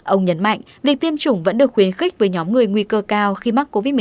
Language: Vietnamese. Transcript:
ông nhấn mạnh việc tiêm chủng vẫn được khuyến khích với nhóm người nguy cơ cao khi mắc covid một mươi chín